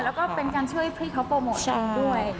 แล้วก็เป็นการช่วยพี่เขาโปรโมทด้วย